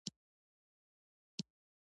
ماهیګیري کوم؟